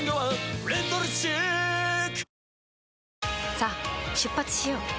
さあ出発しよう。